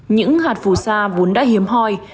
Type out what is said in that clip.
những hạt phù sa vốn đã hiếm hoi